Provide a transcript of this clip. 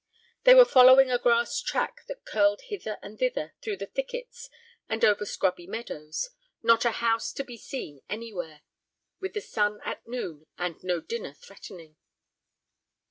They were following a grass track that curled hither and thither through thickets and over scrubby meadows, not a house to be seen anywhere, with the sun at noon, and no dinner threatening.